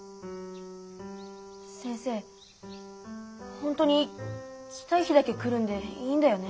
ほんとに来たい日だけ来るんでいいんだよね。